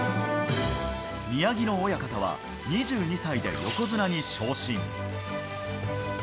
宮城野親方は２２歳で横綱に昇進。